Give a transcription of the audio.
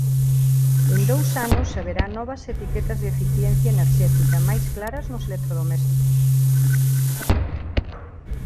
En dous anos haberá novas etiquetas de eficiencia enerxética máis claras nos electrodomésticos.